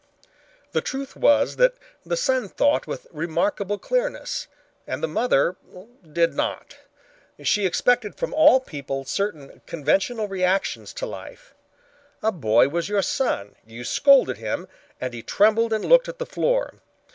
The truth was that the son thought with remarkable clearness and the mother did not. She expected from all people certain conventional reactions to life. A boy was your son, you scolded him and he trembled and looked at the floor.